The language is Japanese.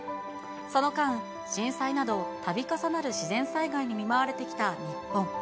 その間、震災などたび重なる自然災害に見舞われてきた日本。